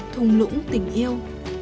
thùng lũng tình yêu